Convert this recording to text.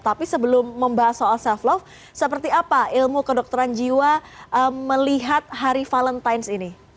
tapi sebelum membahas soal self love seperti apa ilmu kedokteran jiwa melihat hari valentines ini